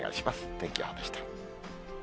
天気予報でした。